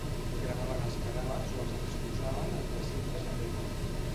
Cremaven els cadàvers o els exposaven en recintes de pedra.